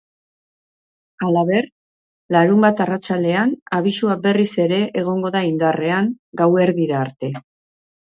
Halaber, larunbat arratsaldean abisua berriz ere egongo da indarrean, gauerdira arte.